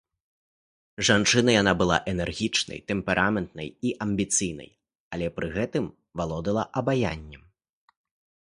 Жанчынай яна была энергічнай, тэмпераментнай і амбіцыйнай, але пры гэтым валодала абаяннем.